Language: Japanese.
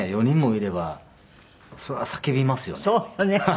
４人もいればそりゃ叫びますよね。